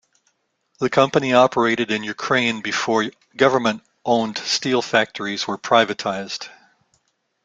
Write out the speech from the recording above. The company operated in Ukraine before government-owned steel factories were privatized.